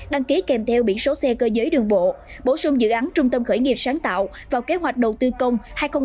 đăng ký kèm theo biển số xe cơ giới đường bộ bổ sung dự án trung tâm khởi nghiệp sáng tạo vào kế hoạch đầu tư công hai nghìn một mươi sáu hai nghìn hai mươi